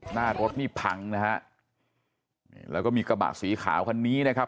หน้ารถนี่พังนะฮะนี่แล้วก็มีกระบะสีขาวคันนี้นะครับ